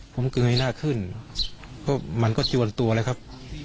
ผมเกยหน้าขึ้นเพราะมันก็ชวนตัวเลยครับ